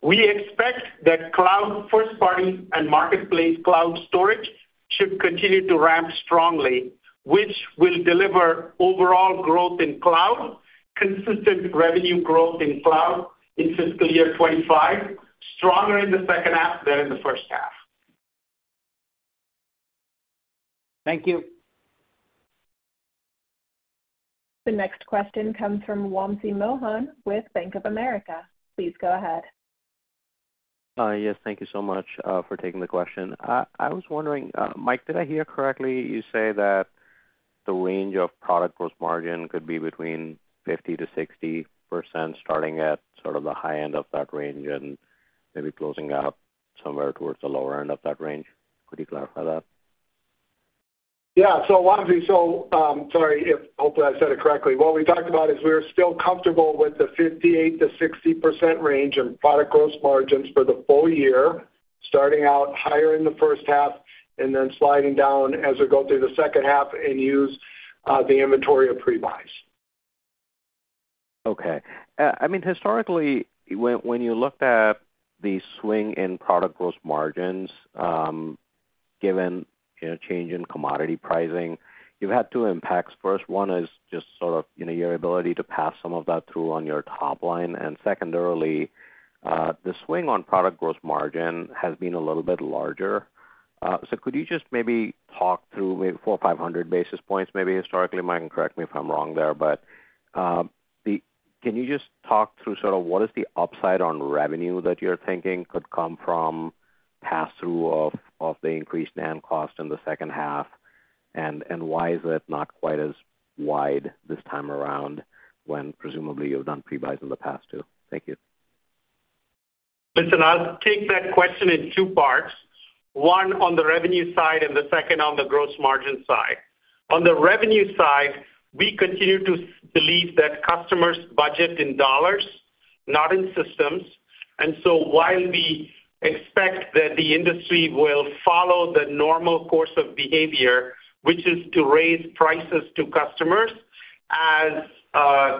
We expect that cloud first party and marketplace cloud storage should continue to ramp strongly, which will deliver overall growth in cloud, consistent revenue growth in cloud in fiscal year 25, stronger in the second half than in the first half. Thank you. The next question comes from Wamsi Mohan with Bank of America. Please go ahead. Yes, thank you so much for taking the question. I was wondering, Mike, did I hear correctly, you say that the range of product gross margin could be between 50%-60%, starting at sort of the high end of that range and maybe closing out somewhere towards the lower end of that range? Could you clarify that? Yeah. So Wamsi, so, sorry if hopefully I said it correctly. What we talked about is we're still comfortable with the 58%-60% range of product gross margins for the full year, starting out higher in the first half and then sliding down as we go through the second half and use the inventory of pre-buys. Okay. I mean, historically, when you looked at the swing in product gross margins, given, you know, change in commodity pricing, you've had two impacts. First one is just sort of, you know, your ability to pass some of that through on your top line. And secondarily, the swing on product gross margin has been a little bit larger. So could you just maybe talk through maybe 400 or 500 basis points, maybe historically? Mike, correct me if I'm wrong there, but, the— can you just talk through sort of what is the upside on revenue that you're thinking could come from pass-through of the increased NAND cost in the second half? And why is it not quite as wide this time around, when presumably you've done pre-buys in the past, too? Thank you. Listen, I'll take that question in two parts. One, on the revenue side and the second on the gross margin side. On the revenue side, we continue to believe that customers budget in dollars, not in systems. And so while we expect that the industry will follow the normal course of behavior, which is to raise prices to customers as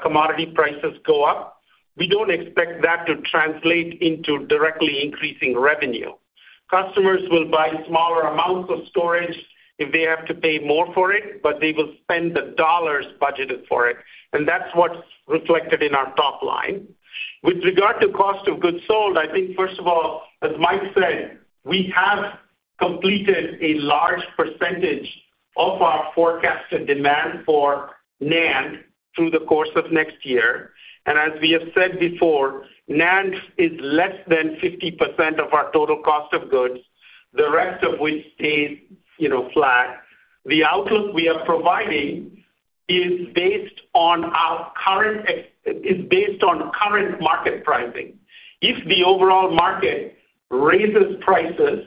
commodity prices go up, we don't expect that to translate into directly increasing revenue. Customers will buy smaller amounts of storage if they have to pay more for it, but they will spend the dollars budgeted for it, and that's what's reflected in our top line. With regard to cost of goods sold, I think, first of all, as Mike said, we have completed a large percentage of our forecasted demand for NAND through the course of next year. As we have said before, NAND is less than 50% of our total cost of goods, the rest of which stays, you know, flat. The outlook we are providing is based on current market pricing. If the overall market raises prices,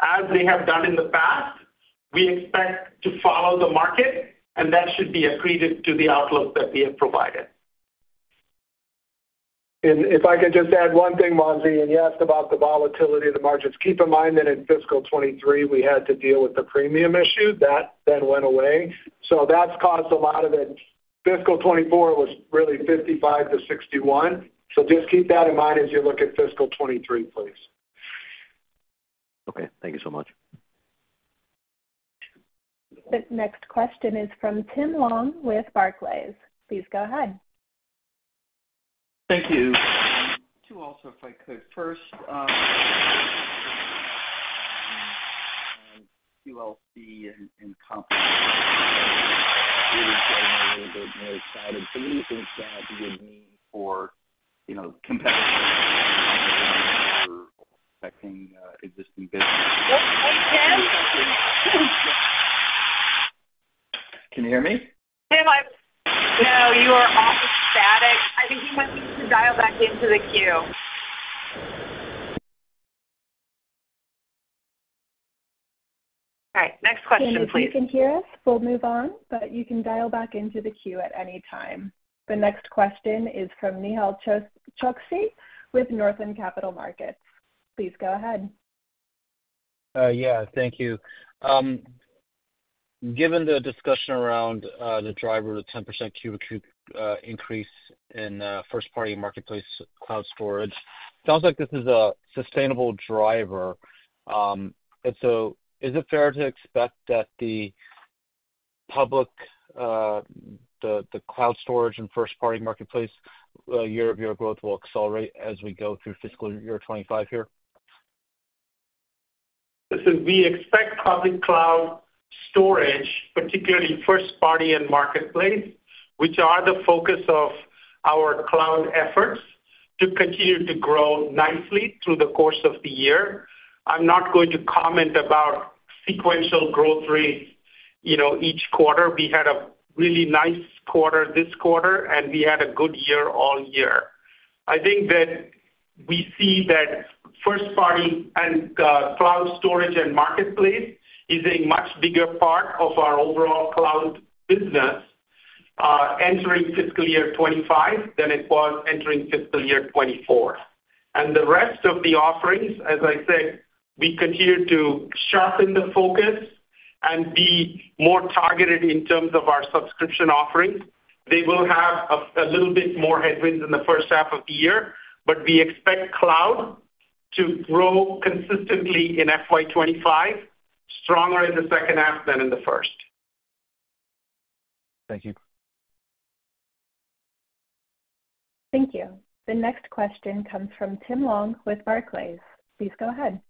as they have done in the past, we expect to follow the market, and that should be accreted to the outlook that we have provided. If I could just add one thing, Wamsi, and you asked about the volatility of the margins. Keep in mind that in fiscal 2023, we had to deal with the premium issue. That then went away. So that's caused a lot of it fiscal 2024 was really 55-61. So just keep that in mind as you look at fiscal 2023, please. Okay, thank you so much. The next question is from Tim Long with Barclays. Please go ahead. Thank you. Too also, if I could. First, QLC and competition a little bit more excited. So what do you think that would mean for, you know, competitive affecting existing business? Can you hear me? Tim, no, you are all static. I think you might need to dial back into the queue. All right, next question, please. Tim, if you can hear us, we'll move on, but you can dial back into the queue at any time. The next question is from Nehal Chokshi with Northland Capital Markets. Please go ahead. Yeah, thank you. Given the discussion around the driver, the 10% quarter-over-quarter increase in first-party marketplace cloud storage, sounds like this is a sustainable driver. And so is it fair to expect that the public cloud storage and first-party marketplace year-over-year growth will accelerate as we go through fiscal year 2025 here? Listen, we expect public cloud storage, particularly first party and marketplace, which are the focus of our cloud efforts, to continue to grow nicely through the course of the year. I'm not going to comment about sequential growth rates. You know, each quarter, we had a really nice quarter this quarter, and we had a good year-all-year. I think that we see that first party and cloud storage and marketplace is a much bigger part of our overall cloud business entering fiscal year 2025 than it was entering fiscal year 2024. And the rest of the offerings, as I said, we continue to sharpen the focus and be more targeted in terms of our subscription offerings. They will have a little bit more headwinds in the first half of the year, but we expect cloud to grow consistently in FY 25, stronger in the second half than in the first. Thank you. Thank you. The next question comes from Tim Long with Barclays. Please go ahead.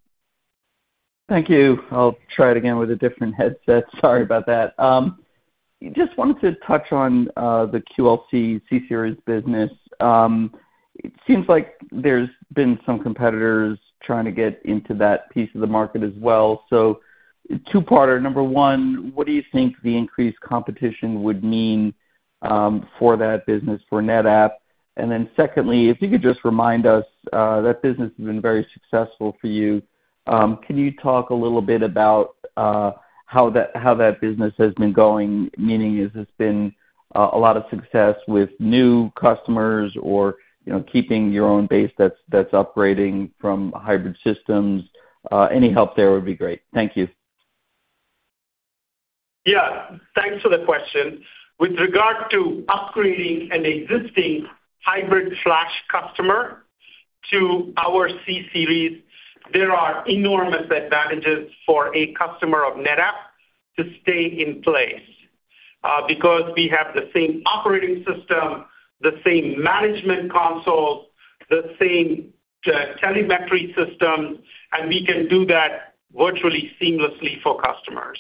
Thank you. I'll try it again with a different headset. Sorry about that. Just wanted to touch on the QLC C-Series business. It seems like there's been some competitors trying to get into that piece of the market as well. So two-parter. Number one, what do you think the increased competition would mean for that business for NetApp? And then secondly, if you could just remind us, that business has been very successful for you. Can you talk a little bit about how that business has been going? Meaning, has this been a lot of success with new customers or, you know, keeping your own base that's upgrading from hybrid systems? Any help there would be great. Thank you. Yeah, thanks for the question. With regard to upgrading an existing hybrid flash customer to our C-series, there are enormous advantages for a customer of NetApp to stay in place, because we have the same operating system, the same management console, the same telemetry system, and we can do that virtually seamlessly for customers.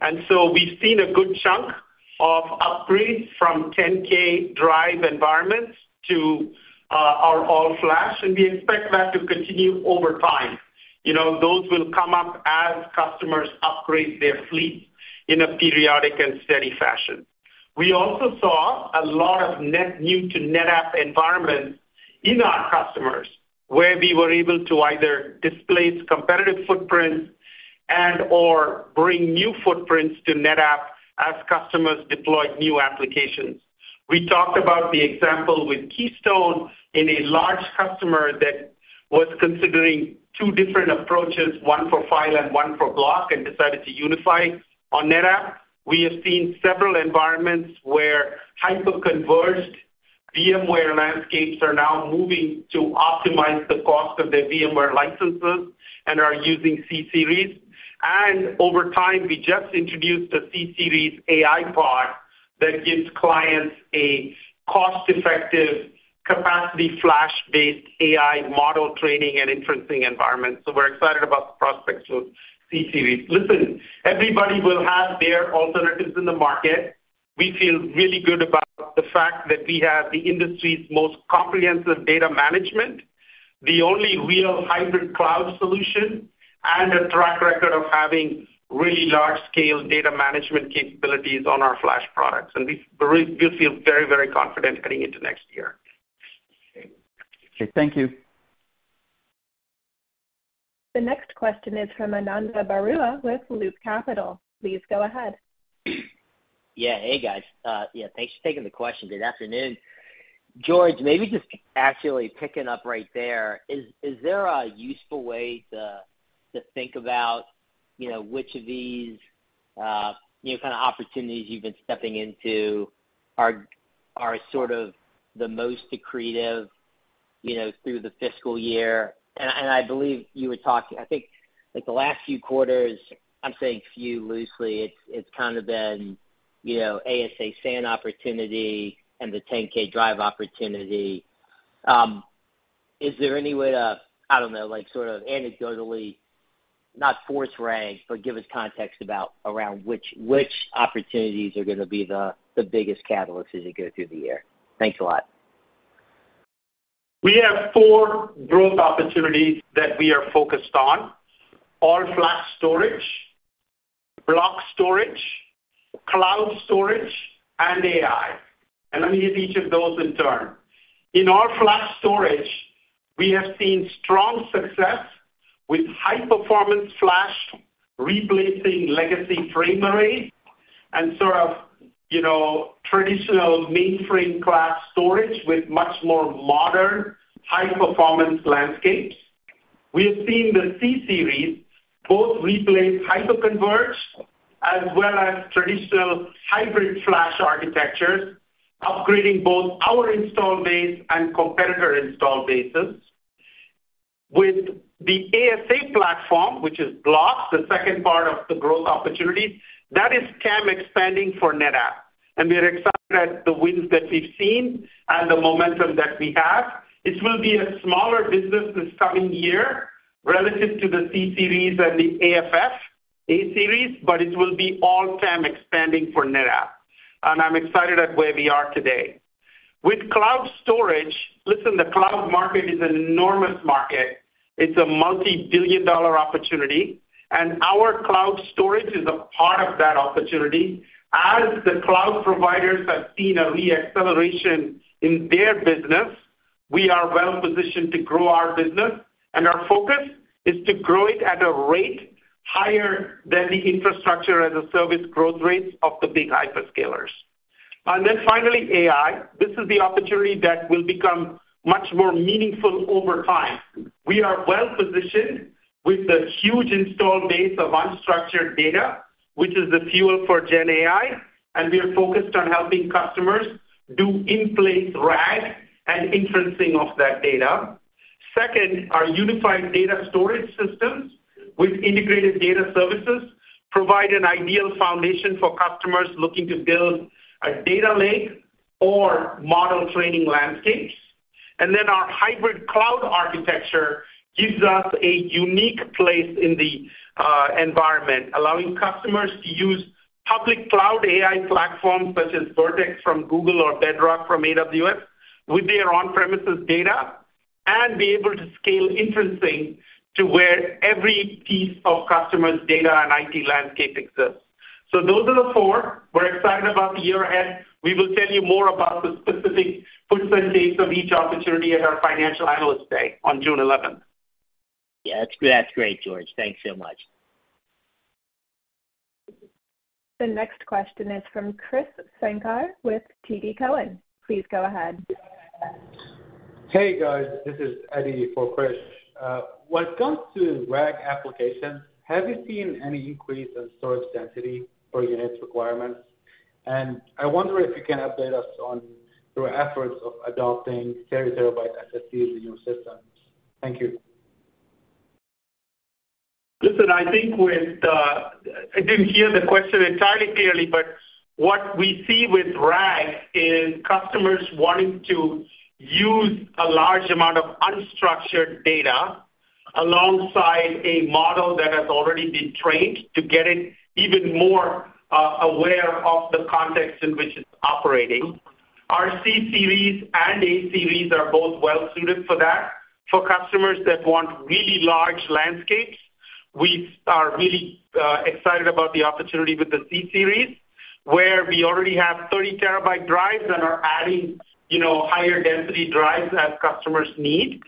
And so we've seen a good chunk of upgrades from 10K drive environments to our all flash, and we expect that to continue over time. You know, those will come up as customers upgrade their fleet in a periodic and steady fashion. We also saw a lot of net new to NetApp environments in our customers, where we were able to either displace competitive footprints and/or bring new footprints to NetApp as customers deployed new applications. We talked about the example with Keystone in a large customer that was considering two different approaches, one for file and one for block, and decided to unify on NetApp. We have seen several environments where hyper-converged VMware landscapes are now moving to optimize the cost of their VMware licenses and are using C-Series. Over time, we just introduced a C-Series AI Pod that gives clients a cost-effective capacity, flash-based AI model training and inferencing environment. We're excited about the prospects of C-Series. Listen, everybody will have their alternatives in the market. We feel really good about the fact that we have the industry's most comprehensive data management, the only real hybrid cloud solution, and a track record of having really large-scale data management capabilities on our flash products. We, we feel very, very confident heading into next year. Okay, thank you. The next question is from Ananda Baruah with Loop Capital. Please go ahead. Yeah. Hey, guys. Yeah, thanks for taking the question. Good afternoon. George, maybe just actually picking up right there. Is there a useful way to think about, you know, which of these, you know, kind of opportunities you've been stepping into are sort of the most accretive, you know, through the fiscal year? And I believe you were talking—I think, like, the last few quarters, I'm saying few loosely, it's kind of been, you know, ASA SAN opportunity and the 10K drive opportunity. Is there any way to, I don't know, like, sort of anecdotally, not force rank, but give us context about around which opportunities are gonna be the biggest catalysts as you go through the year? Thanks a lot. We have four growth opportunities that we are focused on: all-flash storage, block storage, cloud storage, and AI. Let me hit each of those in turn. In all-flash storage, we have seen strong success with high-performance flash, replacing legacy frame array and sort of, you know, traditional mainframe-class storage with much more modern, high-performance landscapes. We have seen the C-Series both replace hyper-converged as well as traditional hybrid flash architectures, upgrading both our install base and competitor install bases. With the ASA platform, which is blocks, the second part of the growth opportunity, that is TAM expanding for NetApp, and we are excited at the wins that we've seen and the momentum that we have. It will be a smaller business this coming year relative to the C-Series and the AFF A-Series, but it will be all TAM expanding for NetApp, and I'm excited at where we are today. With cloud storage, listen, the cloud market is an enormous market. It's a $multi-billion-dollar opportunity, and our cloud storage is a part of that opportunity. As the cloud providers have seen a re-acceleration in their business, we are well positioned to grow our business, and our focus is to grow it at a rate higher than the infrastructure as a service growth rates of the big hyperscalers. Then finally, AI. This is the opportunity that will become much more meaningful over time. We are well positioned with the huge install base of unstructured data, which is the fuel for GenAI, and we are focused on helping customers do in-place RAG and inferencing of that data. Second, our unified data storage systems with integrated data services provide an ideal foundation for customers looking to build a data lake or model training landscapes. And then our hybrid cloud architecture gives us a unique place in the environment, allowing customers to use public cloud AI platforms, such as Vertex from Google or Bedrock from AWS, with their on-premises data and be able to scale inferencing to where every piece of customer's data and IT landscape exists. So those are the four. We're excited about the year ahead. We will tell you more about the specific percentages of each opportunity at our Financial Analyst Day on June eleventh. Yeah, that's, that's great, George. Thanks so much. The next question is from Krish Sankar with TD Cowen. Please go ahead. Hey, guys, this is Eddie for Krish. When it comes to RAG applications, have you seen any increase in storage density per unit requirements? And I wonder if you can update us on your efforts of adopting 30-terabyte SSD in your systems. Thank you. Listen, I think with the, I didn't hear the question entirely clearly, but what we see with RAG is customers wanting to use a large amount of unstructured data alongside a model that has already been trained to get it even more aware of the context in which it's operating. Our C-Series and A-Series are both well suited for that. For customers that want really large landscapes, we are really excited about the opportunity with the C-Series, where we already have 30-terabyte drives and are adding, you know, higher density drives as customers need.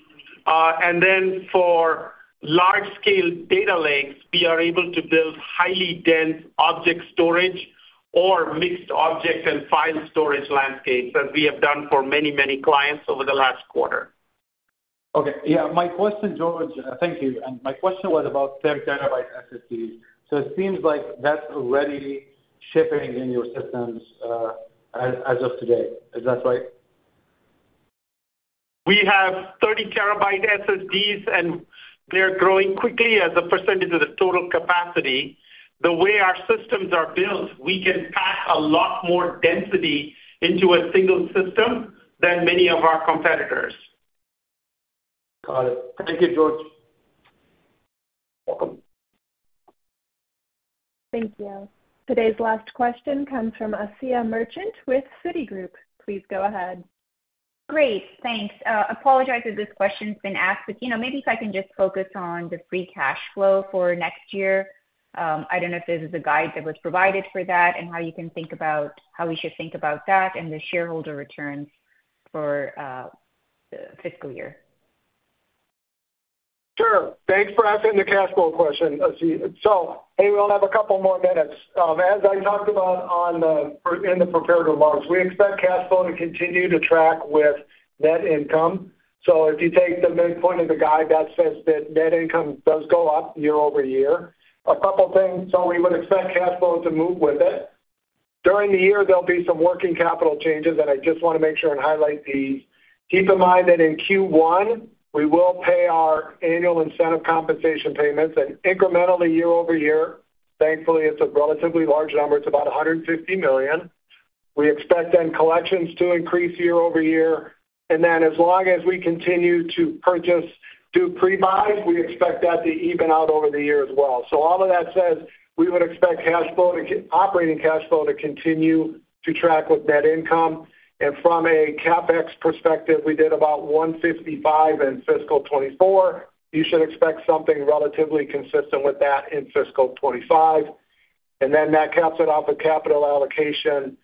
And then for large-scale data lakes, we are able to build highly dense object storage or mixed object and file storage landscapes, as we have done for many, many clients over the last quarter. Okay. Yeah, my question, George, thank you. My question was about 10-TB SSDs. So it seems like that's already shipping in your systems, as of today. Is that right? We have 30 TB SSDs, and they're growing quickly as a percentage of the total capacity. The way our systems are built, we can pack a lot more density into a single system than many of our competitors. Got it. Thank you, George. Welcome. Thank you. Today's last question comes from Asiya Merchant with Citigroup. Please go ahead. Great, thanks. Apologize if this question's been asked, but, you know, maybe if I can just focus on the free cash flow for next year. I don't know if this is a guide that was provided for that and how you can think about how we should think about that and the shareholder returns for the fiscal year. Thanks for asking the cash flow question, Asiya. So, hey, we only have a couple more minutes. As I talked about on the, in the prepared remarks, we expect cash flow to continue to track with net income. So if you take the midpoint of the guide, that says that net income does go up year-over-year. A couple of things, so we would expect cash flow to move with it. During the year, there'll be some working capital changes, and I just want to make sure and highlight these. Keep in mind that in Q1, we will pay our annual incentive compensation payments and incrementally year-over-year. Thankfully, it's a relatively large number. It's about $150 million. We expect collections to increase year-over-year, and then as long as we continue to purchase, do pre-buys, we expect that to even out over the year as well. So all of that says, we would expect cash flow to operating cash flow to continue to track with net income. And from a CapEx perspective, we did about $155 million in fiscal 2024. You should expect something relatively consistent with that in fiscal 2025, and then that caps it off with capital allocation.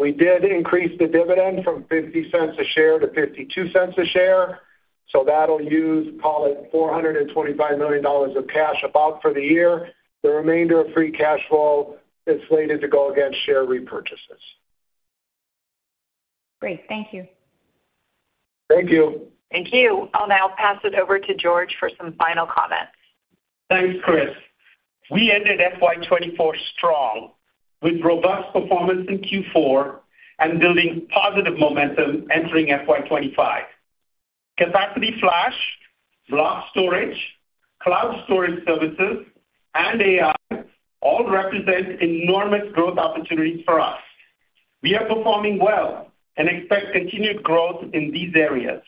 We did increase the dividend from $0.50 a share to $0.52 a share, so that'll use, call it, $425 million of cash about for the year. The remainder of free cash flow is slated to go against share repurchases. Great. Thank you. Thank you. Thank you. I'll now pass it over to George for some final comments. Thanks, Kris. We ended FY 2024 strong, with robust performance in Q4 and building positive momentum entering FY 2025. Capacity flash, block storage, cloud storage services, and AI all represent enormous growth opportunities for us. We are performing well and expect continued growth in these areas.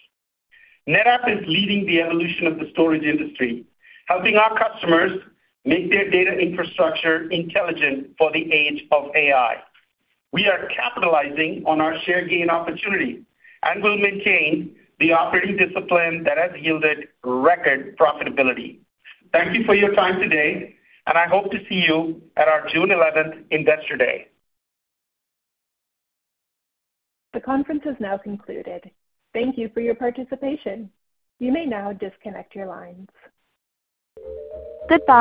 NetApp is leading the evolution of the storage industry, helping our customers make their data infrastructure intelligent for the age of AI. We are capitalizing on our share gain opportunity and will maintain the operating discipline that has yielded record profitability. Thank you for your time today, and I hope to see you at our June 11th Investor Day. The conference has now concluded. Thank you for your participation. You may now disconnect your lines. Goodbye.